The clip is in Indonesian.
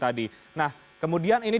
tadi nah kemudian ini